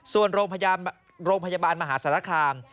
ส่วนโรงพยาบาลมหาสารคาม